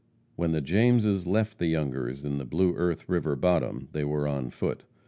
When the Jameses left the Youngers in the Blue Earth river bottom, they were on foot.